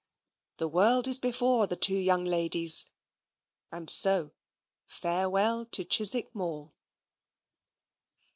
The world is before the two young ladies; and so, farewell to Chiswick Mall.